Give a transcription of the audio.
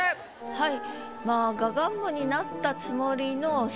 はい。